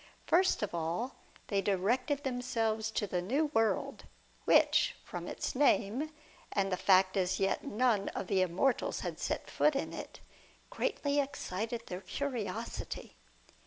First of all they directed themselves to the New World, which, from its name, and the fact that as yet none of the immortals had set foot in it, greatly excited their curiosity.